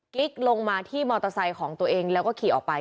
กิ๊กลงมาที่มอเตอร์ไซค์ของตัวเองแล้วก็ขี่ออกไป